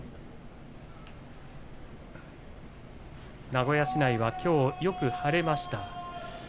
名古屋市内はきょう、よく晴れました。